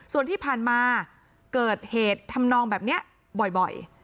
ส่วนที่ผ่านมาเกิดเหตุทำนองแบบนี้บ่อย